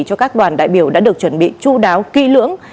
cho các đoàn đại biểu đã được chuẩn bị chú đáo kỹ lưỡng